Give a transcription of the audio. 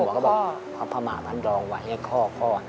พ่อบอกพระหมามันรองไว้ให้คอคอ